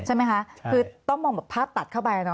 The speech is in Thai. ใช่ไหมคะคือต้องมองแบบภาพตัดเข้าไปเนอ